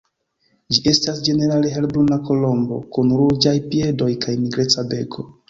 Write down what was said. Ĝi estas ĝenerale helbruna kolombo kun ruĝaj piedoj kaj nigreca beko.